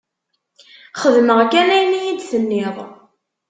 Xedmeɣ kan ayen i yi-d-tenniḍ.